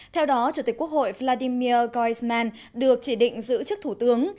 theo đó chủ tịch quốc hội vladimir koisman được chỉ định giữ chức thủ tướng